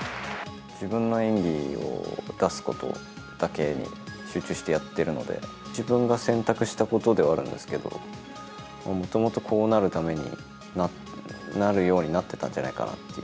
自分の演技を出すことだけに集中してやってるので、自分が選択したことではあるんですけど、もともとこうなるためになるようになってたんじゃないかなっていう。